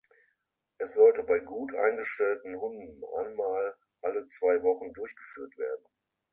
Es sollte bei gut eingestellten Hunden einmal alle zwei Wochen durchgeführt werden.